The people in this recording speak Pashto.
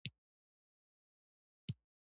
څو تنه مې ولیدل چې دده په کچکول کې یې پیسې واچولې.